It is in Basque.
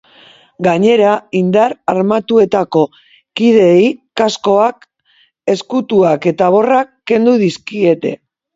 Gainera, indar armatuetako kideei kaskoak, ezkutuak eta borrak kendu dizkiete.